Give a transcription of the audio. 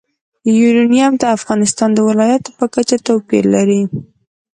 یورانیم د افغانستان د ولایاتو په کچه توپیر لري.